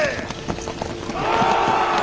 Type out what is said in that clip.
お！